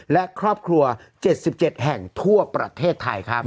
และครอบครัว๗๗แห่งทั่วประเทศไทยครับ